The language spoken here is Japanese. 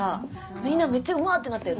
みんな「めっちゃうま！」ってなったよね。